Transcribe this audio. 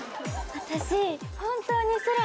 私本当に。